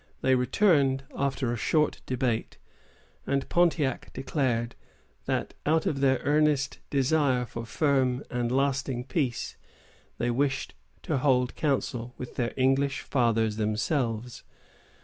They returned after a short debate, and Pontiac declared that, out of their earnest desire for firm and lasting peace, they wished to hold council with their English fathers themselves.